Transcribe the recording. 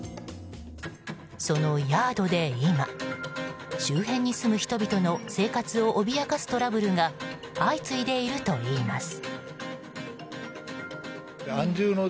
そのヤードで今周辺に住む人々の生活を脅かすトラブルが相次いでいるといいます。